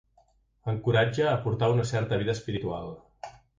Encoratja a portar una certa vida espiritual.